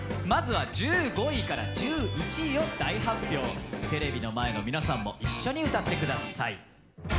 まずは１５位から１１位を大発表テレビの前の皆さんも一緒に歌ってください